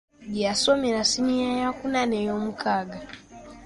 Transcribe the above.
Gye yasomera ssiniya eyookuna n’eyoomukaaga.